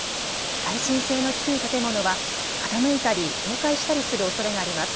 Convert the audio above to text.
耐震性の低い建物は傾いたり倒壊したりするおそれがあります。